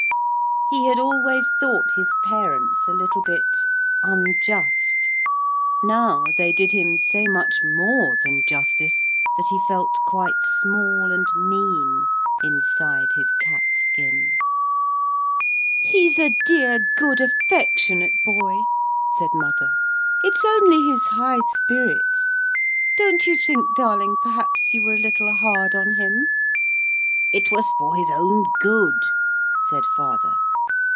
He had always thought his parents a little bit unjust. Now they did him so much more than justice that he felt quite small and mean inside his cat skin. [Illustration: He landed there on his four padded feet light as a feather.] 'He's a dear, good, affectionate boy,' said mother. 'It's only his high spirits. Don't you think, darling, perhaps you were a little hard on him?' 'It was for his own good,' said father.